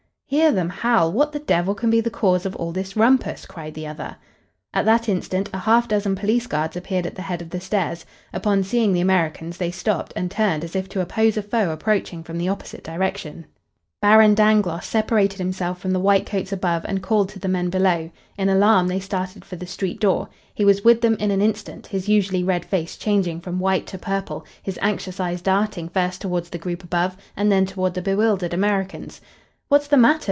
"Hear them howl! What the devil can be the cause of all this rumpus?" cried the other. At that instant a half dozen police guards appeared at the head of the stairs. Upon seeing the Americans they stopped and turned as if to oppose a foe approaching from the opposite direction. Baron Dangloss separated himself from the white coats above and called to the men below. In alarm they started for the street door. He was with them in an instant, his usually red face changing from white to purple, his anxious eyes darting first toward the group above and then toward the bewildered Americans. "What's the matter?"